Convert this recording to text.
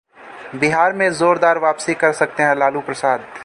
बिहार में जोरदार वापसी कर सकते हैं लालू प्रसाद